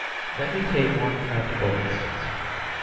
Let me take one practical instance.